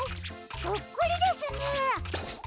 そっくりですね！